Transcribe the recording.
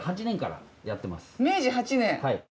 明治８年！